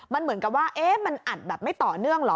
มันเหมือนกับว่ามันอัดแบบไม่ต่อเนื่องเหรอ